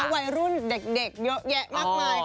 วัยรุ่นเด็กเยอะแยะมากมาย